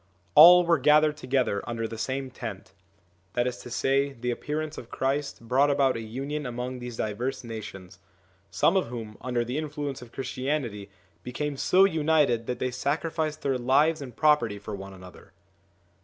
all were gathered together under the same tent; that is to say, the appearance of Christ brought about a union among these diverse nations ; some of whom, under the influence of Christianity, became so united that they sacrificed their lives and property for one another.